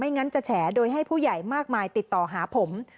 งั้นจะแฉโดยให้ผู้ใหญ่มากมายติดต่อหาผม